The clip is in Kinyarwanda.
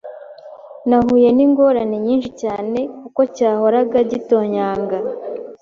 nahuye n’ingorane nyinshi cyane kuko cyahoraga gitonyanga